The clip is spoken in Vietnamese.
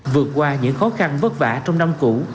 vượt qua những khó khăn vất vả trong năm cũ